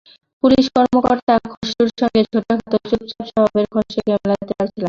Police কর্মকর্তা খসরুর সঙ্গে ছোটখাটো চুপচাপ স্বভাবের খসরুকে মেলাতে পারছিলাম না।